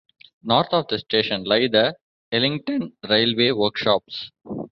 North of the station lie the Islington Railway Workshops.